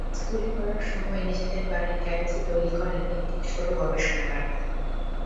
স্কুলে পড়ার সময়েই নিজেদের বাড়ির গ্যারেজে তৈরি করেন একটি ছোট গবেষণাগার।